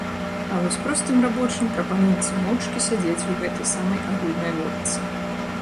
А вось простым рабочым прапануецца моўчкі сядзець у гэтай самай агульнай лодцы.